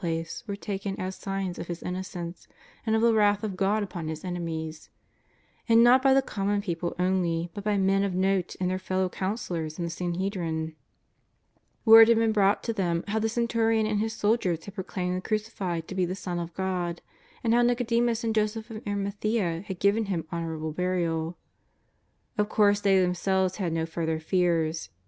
The darkness, and the earthquake, and the rent veil in the Holy Place, were being taken as signs of His innocence and of the wrath of God upon His enemies ; and not by the com mon people only but by men of note and their fellow councillors in the Sanhedrin. AVord had been brought to them how the centurion and his soldiers had pro claimed the Crucified to be the Son of God, and how Nicodemus and Joseph of Arimathea had ^iven Him honourable burial. Of course they themselves had no further fears.